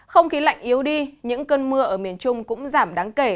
không khí lạnh yếu đi những cơn mưa ở miền trung cũng giảm đáng kể